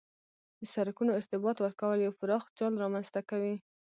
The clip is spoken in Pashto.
د سرکونو ارتباط ورکول یو پراخ جال رامنځ ته کوي